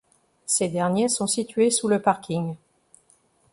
Ces derniers sont situés sous le parking.